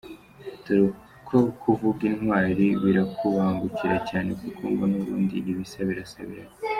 Dore ko kuvuga intwari, birakubangukira cyane, kuko ngo n’ubundi ibisa birasabirana.